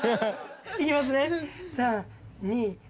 いきますね。